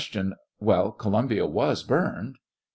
Well, Columbia was burned?